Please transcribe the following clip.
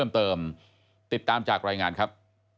ติดตามจากรายงานครับ